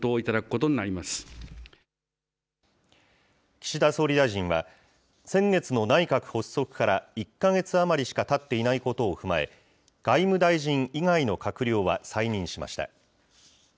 岸田総理大臣は、先月の内閣発足から１か月余りしかたっていないことを踏まえ、外務大臣以外の閣僚は再任しました。